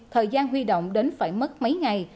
thời gian huy động đến phải mất mấy ngày